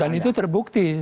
dan itu terbukti